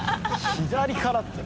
左からって。